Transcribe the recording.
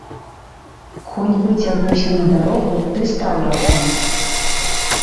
Конь выцягнуўся на дарогу ды стаў раптам.